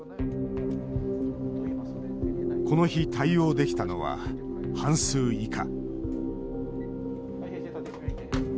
この日、対応できたのは半数以下。